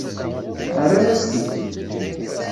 Rran-as-t-id.